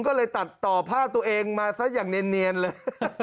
ก็เลยตัดต่อผ้าตัวเองมาซะอย่างเนียนเลย